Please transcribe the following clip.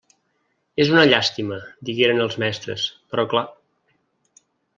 És una llàstima —digueren els mestres—, però clar...